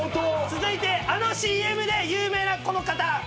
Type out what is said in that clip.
続いてあのＣＭで有名なこの方。